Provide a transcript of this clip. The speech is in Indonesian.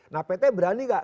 nah pt berani gak